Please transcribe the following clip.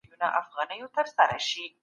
مړینه د ژوند له سترو غمونو څخه یو خلاصون دی.